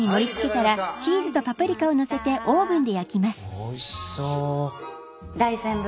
おいしそう。